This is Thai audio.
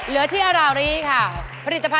ถูกกว่า